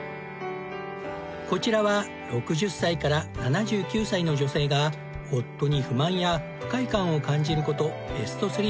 こちらは６０歳から７９歳の女性が夫に不満や不快感を感じる事ベスト３。